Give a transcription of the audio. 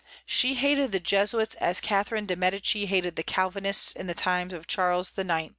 She hated the Jesuits as Catharine de Medici hated the Calvinists in the time of Charles IX.